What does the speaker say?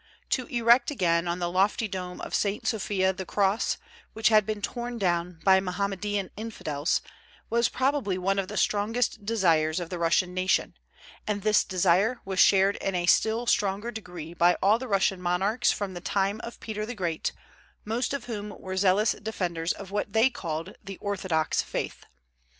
To erect again on the lofty dome of St. Sophia the cross, which had been torn down by Mohammedan infidels, was probably one of the strongest desires of the Russian nation; and this desire was shared in a still stronger degree by all the Russian monarchs from the time of Peter the Great, most of whom were zealous defenders of what they called the Orthodox faith.